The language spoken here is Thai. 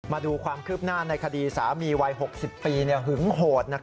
มาดูความคืบหน้าในคดีสามีวัย๖๐ปีหึงโหด